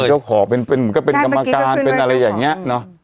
เป็นเจ้าของเหมือนก็เป็นกรรมการเป็นอะไรอย่างเงี้ย